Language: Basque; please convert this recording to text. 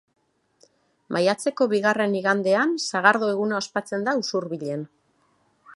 Maiatzeko bigarren igandean Sagardo Eguna ospatzen da Usurbilen.